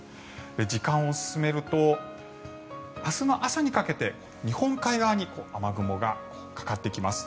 時間を進めると明日の朝にかけて日本海側に雨雲がかかってきます。